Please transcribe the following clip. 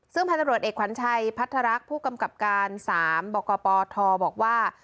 ซึ่งพันธบรวจเอกขวัญชัยพัฒรักษ์ผู้กำกับการ๓บกปทบอกว่า